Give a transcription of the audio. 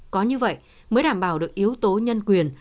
có như vậy mới đảm bảo được yếu tố nhân quyền